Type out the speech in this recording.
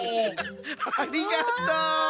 ありがとう！